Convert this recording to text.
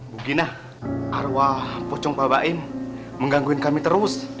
bukinah arwah pocong pak baim menggangguin kami terus